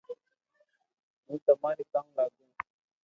ھون تماري ڪاو لاگو